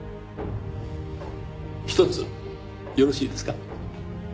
ひとつよろしいですか？